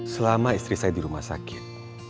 selama istri saya di rumah sakit